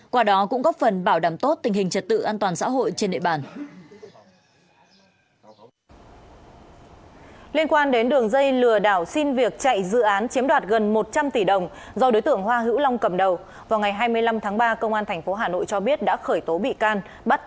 quả đó cũng góp phần bảo đảm tốt tình hình trật tự an toàn xã hội trên nệp bàn